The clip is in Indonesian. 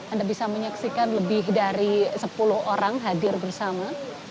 anda bisa menyaksikan lebih dari sepuluh orang hadir bersama